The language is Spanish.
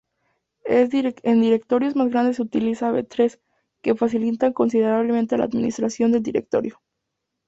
En directorios más grandes se utiliza B-trees, que facilitan considerablemente la administración del directorio.